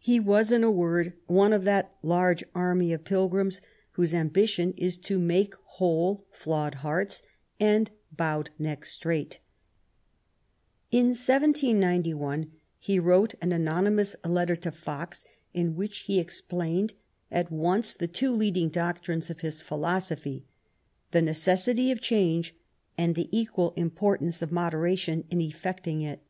He was, in a word^ one of that large army of pilgrims whose ambition is to " make whole flawed hearts, and bowed necks straight/* In 1791 he wrote an anonymous letter to Fox, in which he explained at once the two leading doctrines of bis philosophy : the necessity of change, and the equal im portance of moderation in effecting it.